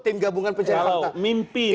tim gabungan pencari fakta